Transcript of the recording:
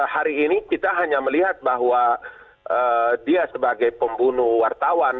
hari ini kita hanya melihat bahwa dia sebagai pembunuh wartawan